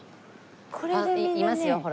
いますよほら。